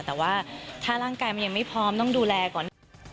แต่ว่าถ้าร่างกายมันยังไม่พร้อมต้องดูแลก่อน